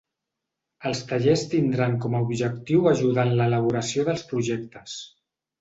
Els tallers tindran com a objectiu ajudar en l’elaboració dels projectes.